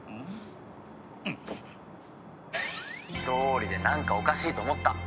「どうりでなんかおかしいと思った」